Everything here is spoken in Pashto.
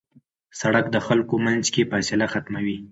سړک د خلکو منځ کې فاصله ختموي.